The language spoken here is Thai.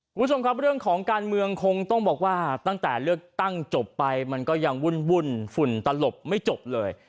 คุณผู้ชมครับเรื่องของการเมืองคงต้องบอกว่าตั้งแต่เลือกตั้งจบไปมันก็ยังวุ่นตลบไม่จบเลย